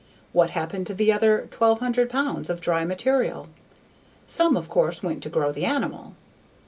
What happened to the other 1,200 pounds of dry material? Some, of course, went to grow the animal.